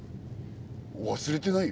忘れてないよ。